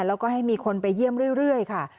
แล้วก็ให้มีคนไปเยี่ยมเรื่อยค่ะ